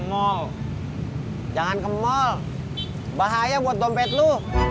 mal jangan ke mal bahaya buat dompet lu